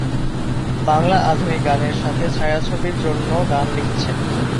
বাংলা আধুনিক গানের সাথে ছায়াছবির জন্যও গান লিখেছেন।